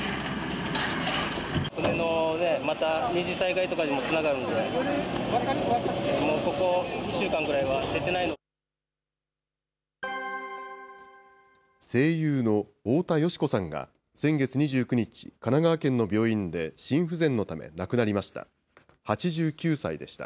声優の太田淑子さんが、先月２９日、神奈川県の病院で心不全のため亡くなりました。